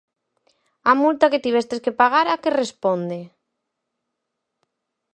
A multa que tivestes que pagar a que responde?